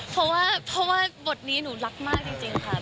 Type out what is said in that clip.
เพราะว่าเพราะว่าบทนี้หนูรักมากจริงค่ะ